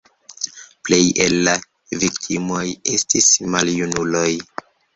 Plej el la viktimoj estis maljunuloj.